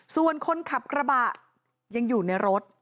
ส่วนคนขับกระบะยังอยู่ในรถ